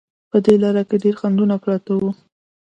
په دې لاره کې ډېر خنډونه پراته وو.